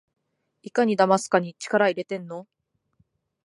いかにだますかに力いれてんの？